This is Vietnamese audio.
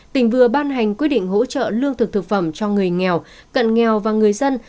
tỉnh vừa ban hành quyết định hỗ trợ lương thực thực phẩm cho người nghèo cận nghèo và người dân